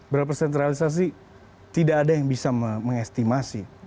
berapa persen terrealisasi tidak ada yang bisa mengestimasi